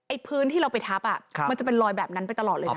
พื้นที่เราไปทับมันจะเป็นรอยแบบนั้นไปตลอดเลยนะ